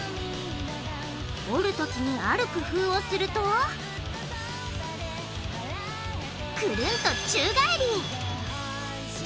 折るときにある工夫をするとクルンと宙返り！